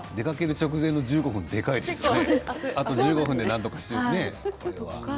出かける直前の１５分ってでかいですよね。